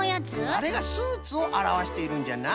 あれがスーツをあらわしているんじゃな。